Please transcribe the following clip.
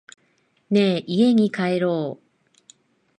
ねぇ、家に帰ろう。